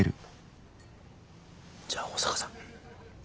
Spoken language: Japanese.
じゃあ保坂さん。